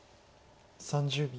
３０秒。